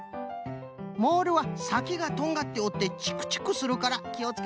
モールはさきがとんがっておってチクチクするからきをつけてのう。